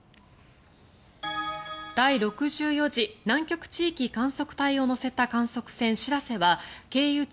第６４次南極地域観測隊を乗せた観測船「しらせ」は経由地